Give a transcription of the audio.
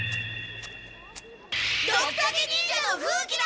ドクタケ忍者の風鬼だ！